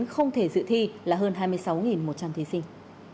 không thể dự thi là hơn hai mươi sáu một trăm linh thí sinh